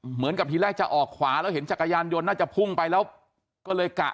เหมือนกับทีแรกจะออกขวาแล้วเห็นจักรยานยนต์น่าจะพุ่งไปแล้วก็เลยกะ